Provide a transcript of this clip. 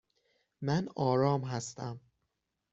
من آرام هستم.